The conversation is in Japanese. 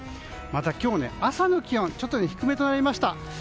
また今日、朝の気温がちょっと低めとなりました。